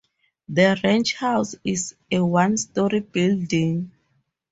The ranch house is a one-story, building.